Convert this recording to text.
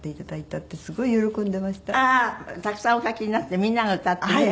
たくさんお書きになってみんなが歌ってね